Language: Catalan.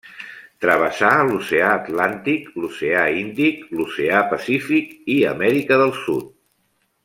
Travessa l'Oceà Atlàntic, l'Oceà Índic, l'Oceà Pacífic i Amèrica del Sud.